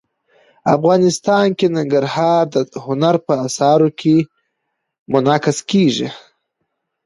افغانستان کې ننګرهار د هنر په اثار کې منعکس کېږي.